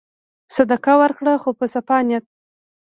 صدقه ورکړه خو په صفا نیت.